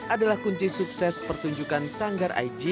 adalah kunci sukses pertunjukan sanggar aig